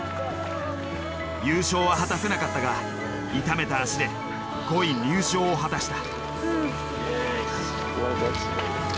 優勝は果たせなかったが痛めた足で５位入賞を果たした。